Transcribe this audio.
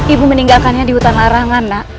ibu meninggalkannya di hutan larangan nak